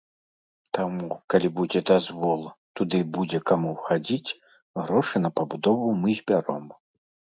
Таму, калі будзе дазвол, туды будзе каму хадзіць, грошы на пабудову мы збяром.